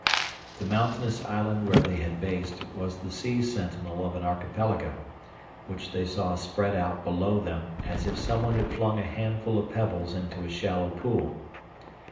The mountainous island where they had based was the sea sentinel of an archipelago, which they saw spread out below them as if someone had flung a handful of pebbles into a shallow pool.